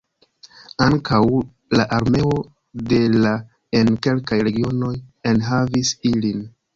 Ankaŭ la armeo de la en kelkaj regionoj enhavis ilin.